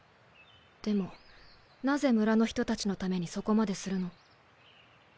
でもなぜ村の人たちのためにそこまでするの？